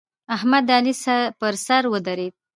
احمد د علي پر سر ودرېد.